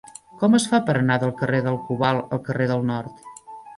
Com es fa per anar del carrer del Cobalt al carrer del Nord?